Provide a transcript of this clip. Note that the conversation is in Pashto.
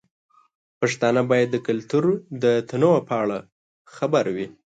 پښتانه باید د کلتور د تنوع په اړه خبر وي.